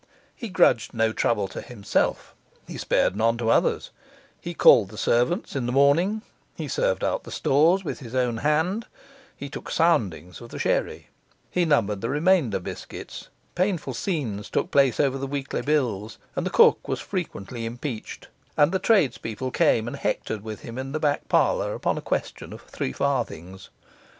He grudged no trouble to himself, he spared none to others; he called the servants in the morning, he served out the stores with his own hand, he took soundings of the sherry, he numbered the remainder biscuits; painful scenes took place over the weekly bills, and the cook was frequently impeached, and the tradespeople came and hectored with him in the back parlour upon a question of three farthings.